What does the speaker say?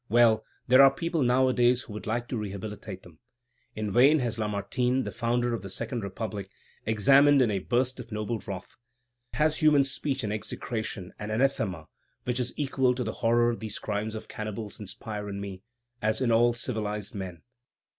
Well! there are people nowadays who would like to rehabilitate them! In vain has Lamartine, the founder of the Second Republic, exclaimed in a burst of noble wrath: "Has human speech an execration, an anathema, which is equal to the horror these crimes of cannibals inspire in me, as in all civilized men?"